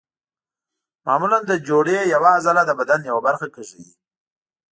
معمولا د جوړې یوه عضله د بدن یوه برخه کږوي.